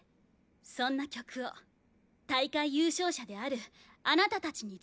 そんな曲を大会優勝者であるあなたたちに作ってほしい。